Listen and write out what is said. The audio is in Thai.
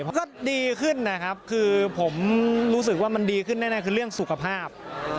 มันก็ดีขึ้นนะครับคือผมรู้สึกว่ามันดีขึ้นแน่คือเรื่องสุขภาพ